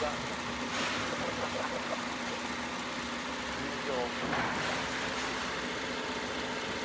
入場！